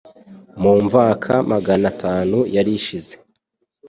Mu mvaka magana atanu yari ishize,